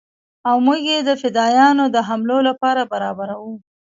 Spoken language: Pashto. او موږ يې د فدايانو د حملو لپاره برابرو.